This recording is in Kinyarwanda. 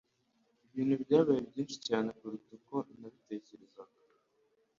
Ibintu byabaye byinshi cyane kuruta uko nabitekerezaga.